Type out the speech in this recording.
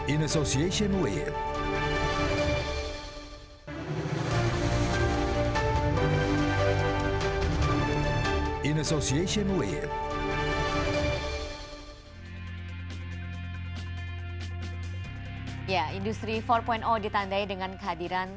industri empat ditandai dengan kehadiran